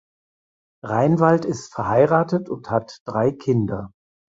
Reinwald ist verheiratet und hat drei Kinder.